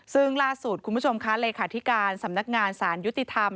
ซึ่งล่าสูตรคุณผู้ชมค่ะรคสำนักงานสารยุติธรรม